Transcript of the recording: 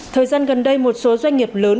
thời gian gần đây một số doanh nghiệp lớn